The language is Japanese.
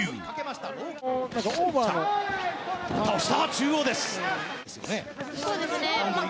中央です。